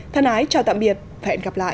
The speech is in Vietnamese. thân ái chào tạm biệt và hẹn gặp lại